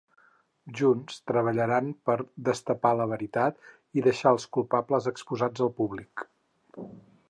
Junts, treballaran per destapar la veritat i deixar els culpables exposats al públic.